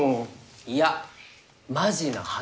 いやマジな話。